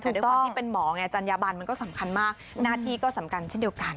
แต่ด้วยความที่เป็นหมอไงจัญญาบันมันก็สำคัญมากหน้าที่ก็สำคัญเช่นเดียวกัน